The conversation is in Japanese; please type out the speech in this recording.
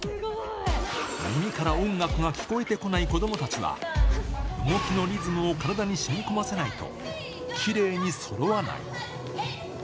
耳から音楽が聴こえてこない子どもたちは、動きのリズムを体にしみ込ませないときれいにそろわない。